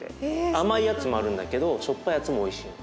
甘いやつもあるんだけどしょっぱいやつもおいしいの。